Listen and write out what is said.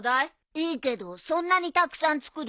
いいけどそんなにたくさん作るの？